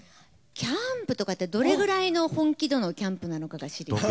キャンプとかってどれぐらいの本気度のキャンプなのかが知りたい。